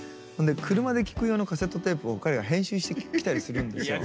車で聴く用のカセットテープを彼が編集してきたりするんですよ。